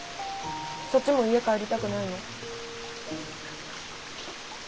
そっちも家帰りたくないの？